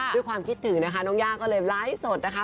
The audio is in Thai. ด้วยความคิดถึงนะคะน้องย่าก็เลยไลฟ์สดนะคะ